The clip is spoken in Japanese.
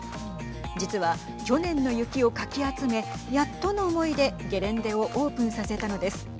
実は、去年の雪をかき集めやっとの思いでゲレンデをオープンさせたのです。